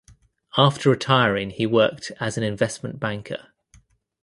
After retiring he worked as an investment banker.